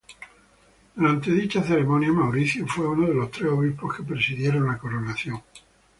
Durante dicha ceremonia Mauricio fue uno de los tres obispos que presidieron la coronación.